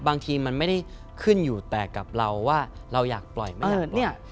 บางทีมันไม่ได้ขึ้นอยู่แต่กับเราว่าเราอยากปล่อยไม่อยากเนี่ย